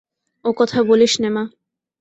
ও কথা বলিস নে মা।